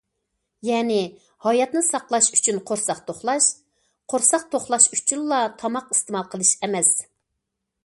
يەنى ھاياتنى ساقلاش ئۈچۈن قورساق توقلاش، قورساق توقلاش ئۈچۈنلا تاماق ئىستېمال قىلىش ئەمەس.